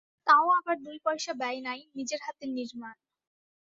তাও আবার দুই পয়সা ব্যয় নাই, নিজের হাতে নির্মাণ।